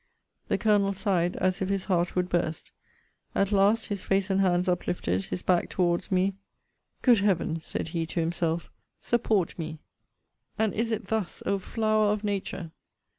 The Colonel sighed as if his heart would burst: at last, his face and hands uplifted, his back towards me, Good Heaven! said he to himself, support me! And is it thus, O flower of nature!